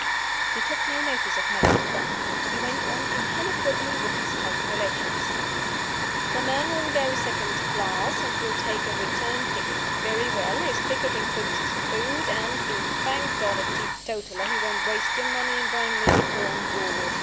He took no notice of my interruption; he went on impenetrably with his calculations. "The man will go second class, and will take a return ticket. Very well. His ticket includes his food; and (being, thank God, a teetotaler) he won't waste your money in buying liquor on board.